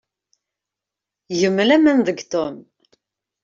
Gem laman deg Tom.